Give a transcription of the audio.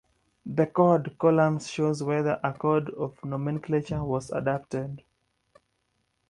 The "Code" column shows whether a code of nomenclature was adopted.